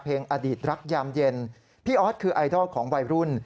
อดีตรักยามเย็นพี่ออสคือไอดอลของวัยรุ่น